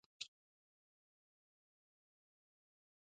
د دوي دومره اوږد پرديس او مسافرۍ شا ته څۀ مضمرات ضرور وو